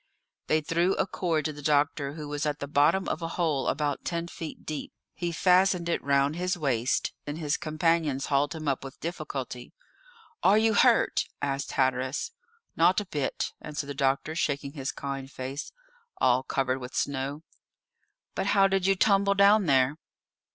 They threw a cord to the doctor, who was at the bottom of a hole about ten feet deep; he fastened it round his waist, and his companions hauled him up with difficulty. "Are you hurt?" asked Hatteras. "Not a bit," answered the doctor, shaking his kind face, all covered with snow. "But how did you tumble down there?"